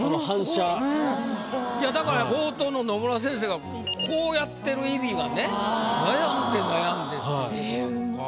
だから冒頭の野村先生がこうやってる意味がね悩んで悩んでっていう。